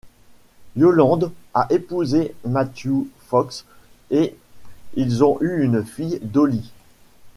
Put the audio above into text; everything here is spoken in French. Yolande a épousé Matthew Fox et ils ont eu une fille, Dolly.